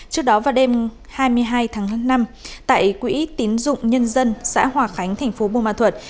trước đó vào đêm hai mươi hai tháng năm tại quỹ tín dụng nhân dân xã hòa khánh thành phố bùa ma thuật